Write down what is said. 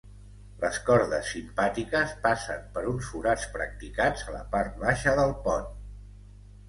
Les cordes simpàtiques passen per uns forats practicats a la part baixa del pont.